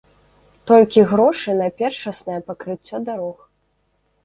Толькі грошы на першаснае пакрыццё дарог.